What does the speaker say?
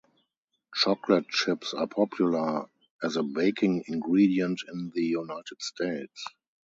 Chocolate chips are popular as a baking ingredient in the United States.